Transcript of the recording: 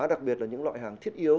đặc biệt là những loại hàng thiết yếu